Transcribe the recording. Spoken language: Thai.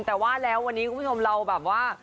แต่ว่าแล้ววันนี้คุณผู้ชมเราแบบว่า